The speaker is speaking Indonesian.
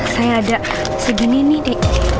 saya ada segini nih dek